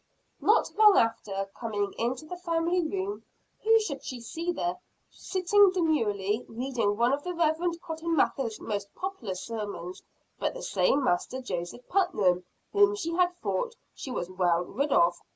Not long after, coming into the family room, who should she see there, sitting demurely, reading one of the Reverend Cotton Mather's most popular sermons, but the same Master Joseph Putnam whom she had thought she was well rid of.